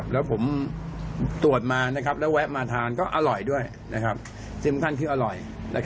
แล้วผมตรวจมาแล้วแวะมาทานก็อร่อยด้วยสิ่งสำคัญคืออร่อย